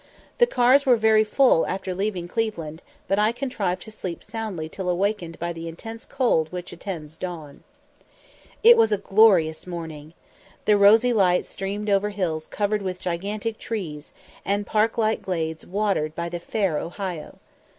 The cars were very full after leaving Cleveland, but I contrived to sleep soundly till awakened by the intense cold which attends dawn. It was a glorious morning. The rosy light streamed over hills covered with gigantic trees, and park like glades watered by the fair Ohio.